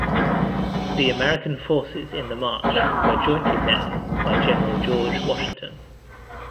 The American forces in the march were jointly led by General George Washington.